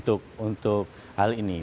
untuk hal ini